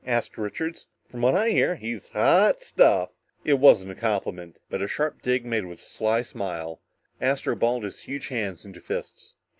asked Richards. "From what I hear, he's hot stuff!" It wasn't a compliment, but a sharp dig made with a sly smile. Astro balled his huge hands into fists.